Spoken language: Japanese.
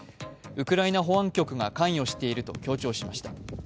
ウクライナ保安局が関与していると強調しました。